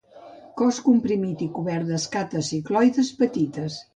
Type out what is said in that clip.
Cos comprimit i cobert d'escates cicloides petites.